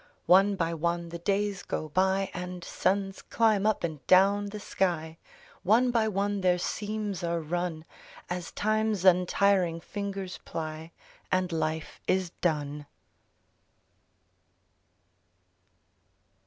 One by one the days go by, And suns climb up and down the sky ; One by one their seams are run — As Time's untiring fingers ply And life is done.